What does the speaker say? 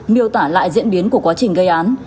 miêu tả lại diễn biến của quá trình gây án